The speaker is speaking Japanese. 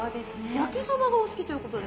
焼きそばがお好きということで。